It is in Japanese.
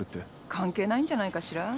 関係ないんじゃないかしら。